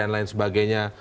dan lain sebagainya